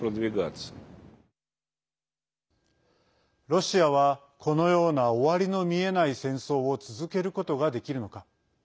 ロシアは、このような終わりの見えない戦争を続けることができるのか。